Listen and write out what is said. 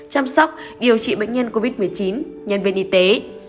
chăm sóc điều trị bệnh nhân covid một mươi chín nhân viên y tế